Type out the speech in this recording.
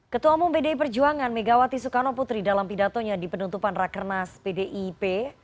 ketua umum pdi perjuangan megawati soekarno putri dalam pidatonya di penutupan rakernas pdip